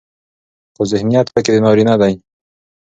خو ذهنيت پکې د نارينه دى